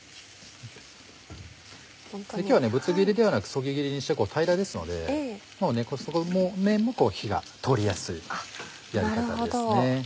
今日はぶつ切りではなくそぎ切りにして平らですのでもう底も面も火が通りやすいやり方ですね。